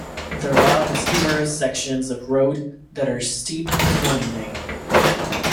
The route has numerous sections of road that are steep and winding.